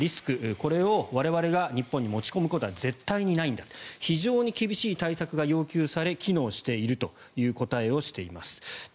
これを我々が日本に持ち込むことは絶対にないんだ非常に厳しい対策が要求され機能しているという答えをされています。